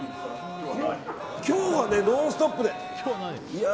今日はね「ノンストップ！」で。